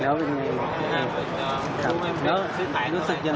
แล้วเป็นอย่างนี้ครับ